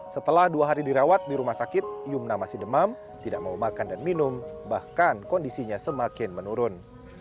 setelah dua hari dirawat di rumah sakit yumna masih demam tidak mau makan dan minum bahkan kondisinya semakin menurun